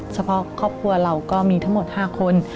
เฉพาะครอบครัวเราก็มีทั้งหมด๕คน